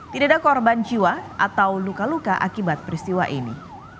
tidak ada korban jiwa atau luka luka akibat peristiwa ini